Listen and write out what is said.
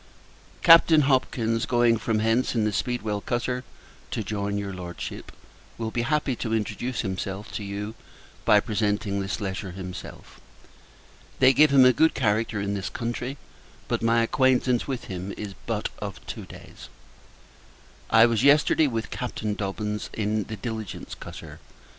Captain Hopkins, going from hence in the Speedwell cutter to join your Lordship, will be happy to introduce himself to you by presenting this letter himself. They give him a good character in this country, but my acquaintance with him is but of two days. I was yesterday with Captain Dobbins, in the Diligence cutter.